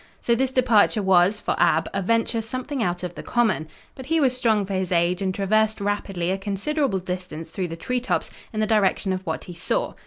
So this departure was, for Ab, a venture something out of the common. But he was strong for his age, and traversed rapidly a considerable distance through the treetops in the direction of what he saw.